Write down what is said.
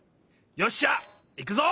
よっしゃ！いくぞ！